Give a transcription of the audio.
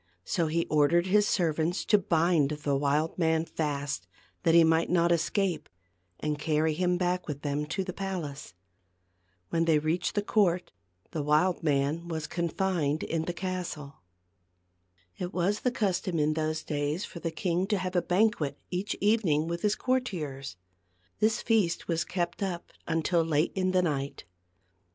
I he So he ordered his ser vants to bind the wild man fast, that he might not escape, and carry him back with them to the palace. When they reached the court, the wild man was confined in the castle. It was the custom in those days for the king to have a banquet each evening with his cour tiers. This feast was kept up until late in the night.